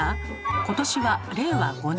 今年は令和５年。